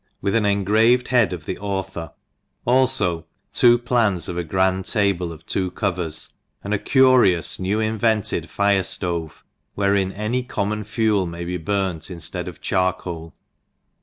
WITH AN ENGRAVED HEAD OF THE AUTHOR, Alfo Two Plans of a Grand Table of Two Covers s and A cnrioas oew invented Fire Stove, wherein any common Fael may be burnt inftead of Charpoal.